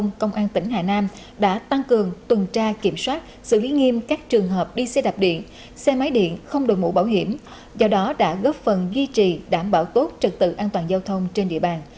giá vé dịp này đã tăng cường tuần tra kiểm soát xử lý nghiêm các trường hợp đi xe đạp điện xe máy điện không đồn mũ bảo hiểm do đó đã góp phần duy trì đảm bảo tốt trực tự an toàn giao thông trên địa bàn